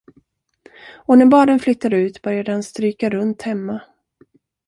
Och när barnen flyttade ut började han stryka runt hemma.